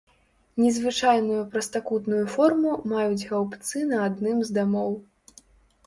Незвычайную прастакутную форму маюць гаўбцы на адным з дамоў.